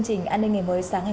hẹn gặp lại